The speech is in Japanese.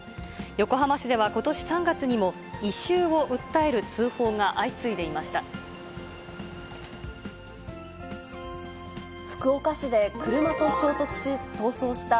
横浜市ではことし３月にも、異臭を訴える通報が相次いでいました。